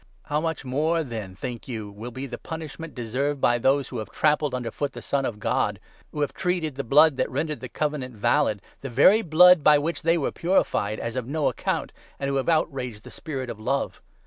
How 29 much worse then, think you, will be the punishment deserved by those who have trampled underfoot the Son of God, who have treated the blood that rendered the Covenant valid — the very blood by which they were purified — as of no account, and who have outraged the Spirit of Love